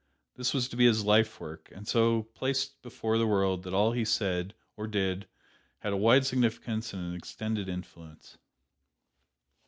This was to be his life work, and it so placed him before the world that all he said or did had a wide significance and an extended influence.